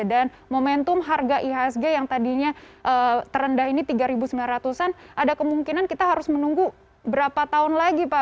dan momentum harga ihsg yang tadinya terendah ini tiga sembilan ratus an ada kemungkinan kita harus menunggu berapa tahun lagi pak